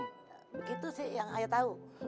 begitu sih yang ayah tau